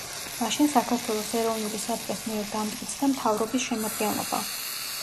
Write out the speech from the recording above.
მაშინ საქართველოს ეროვნული საბჭოს მიერ დამტკიცდა მთავრობის შემადგენლობა.